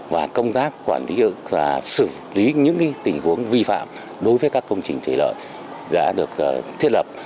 và công tác quản lý và xử lý những tình huống vi phạm đối với các công trình thủy lợi đã được thiết lập